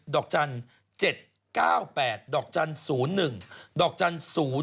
ดอกจันทร์๗๙๘๐๑๐๐๐๕